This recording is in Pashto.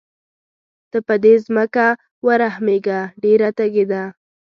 ته په دې ځمکه ورحمېږه ډېره تږې ده.